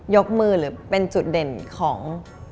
ยกมือหรือเป็นจุดเด่นของ